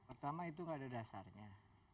pertama itu nggak ada dasarnya